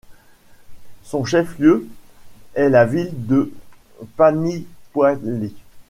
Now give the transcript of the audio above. Son chef-lieu est la ville de Panikoili.